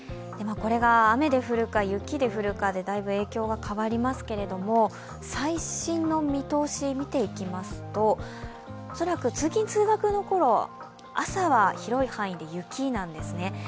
これが雨で降るか雪で降るかでだいぶ影響が変わりますけれども最新の見通しを見ていきますと、恐らく通勤・通学の頃、朝は広い範囲で雪なんですね。